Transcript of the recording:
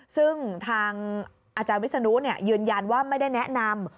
ซึ่งทางอาจารย์วิศนุยืนยันว่าไม่ได้แนะนำ